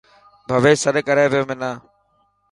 ڀويش سڏ ڪري پيو منا.